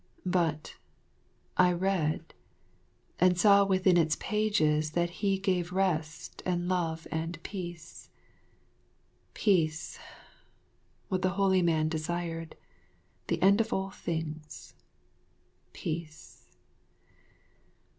But I read and saw within its pages that He gave rest and love and peace. Peace what the holy man desired, the end of all things peace.